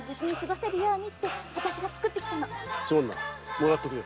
もらっとくよ。